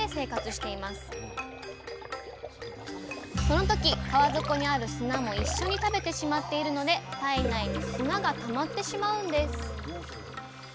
その時川底にある砂も一緒に食べてしまっているので体内に砂がたまってしまうんです。